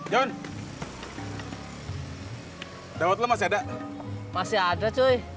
jawab masih ada masih ada